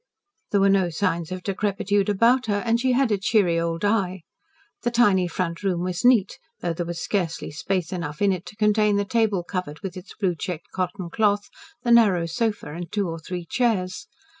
There were no signs of decrepitude about her, and she had a cheery old eye. The tiny front room was neat, though there was scarcely space enough in it to contain the table covered with its blue checked cotton cloth, the narrow sofa, and two or three chairs.